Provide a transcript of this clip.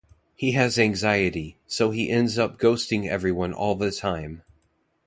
He has anxiety, so he ends up ghosting everyone all the time.